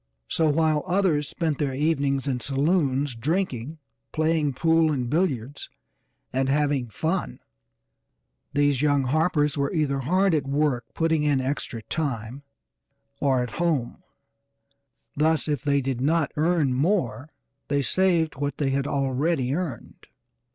So while others spent their evenings in saloons drinking, playing pool and billiards, and 'having fun,' these young Harpers were either hard at work putting in extra time, or at home, thus if they did not earn more they saved what they had already earned.